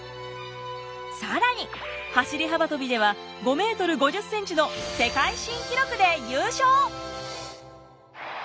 更に走り幅跳びでは５ｍ５０ｃｍの世界新記録で優勝。